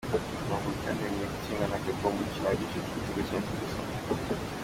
Amavubi kandi yongeye gutsindwa na Gabon mu mukino wa gicuti igitego kimwe ku busa.